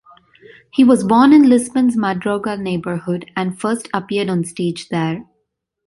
He was born in Lisbon's Madragoa neighborhood, and first appeared on stage there.